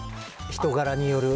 人柄による。